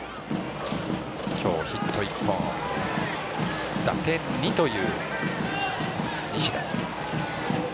今日、ヒット１本打点２という西田。